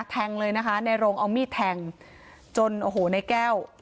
แทงเลยนะคะในโรงเอามีดแทงจนโอ้โหในแก้ว